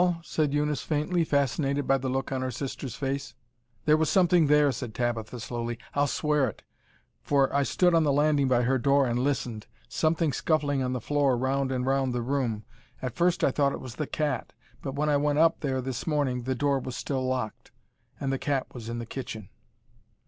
said Eunice faintly, fascinated by the look on her sister's face. "There was something there," said Tabitha slowly. "I'll swear it, for I stood on the landing by her door and listened; something scuffling on the floor round and round the room. At first I thought it was the cat, but when I went up there this morning the door was still locked, and the cat was in the kitchen."